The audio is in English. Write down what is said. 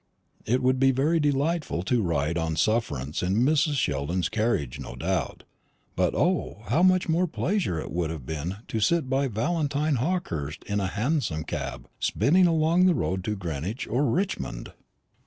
It would be very delightful to ride on sufferance in Mrs. Sheldon's carriage, no doubt; but O, how much pleasanter it would have been to sit by Valentine Hawkehurst in a hansom cab spinning along the road to Greenwich or Richmond!